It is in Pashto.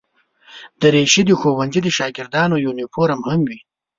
دریشي د ښوونځي د شاګردانو یونیفورم هم وي.